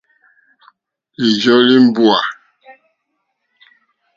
Lìjɔ́lɛ̀ mbúà.